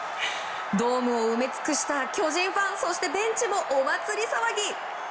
ドームを埋め尽くした巨人ファンそしてベンチもお祭り騒ぎ。